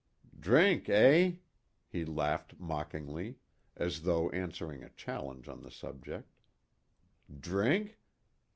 "Drink, eh?" he laughed mockingly, as though answering a challenge on the subject. "Drink?